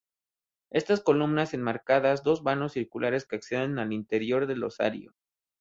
Estas columnas enmarcan dos vanos circulares que acceden al interior del osario.